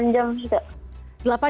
delapan jam sudah